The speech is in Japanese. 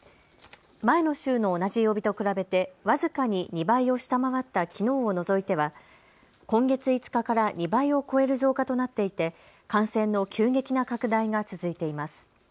前の週の同じ曜日と比べて僅かに２倍を下回ったきのうを除いては今月５日から２倍を超える増加となっていて感染の急激な拡大が続いています。